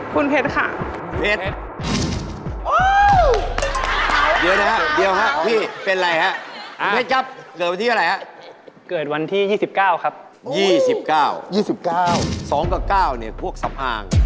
คุณเพชรค่ะ